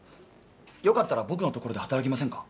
よかったら僕のところで働きませんか？